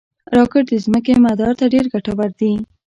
راکټ د ځمکې مدار ته ډېر ګټور دي